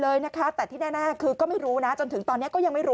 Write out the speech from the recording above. เลยนะคะแต่ที่แน่คือก็ไม่รู้นะจนถึงตอนนี้ก็ยังไม่รู้